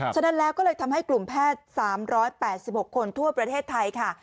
ฉะนั้นแล้วก็เลยทำให้กลุ่มแพทย์๓๘๖คนทั่วประเทศไทยค่ะ